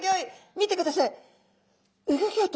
見てください。